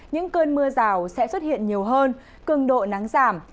những cơn mưa rào sẽ xuất hiện nhiều hơn cường độ nắng giảm